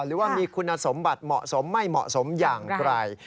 หรือว่ามีคุณสมบัติเหมาะสมไม่เหมาะสมอย่างไกล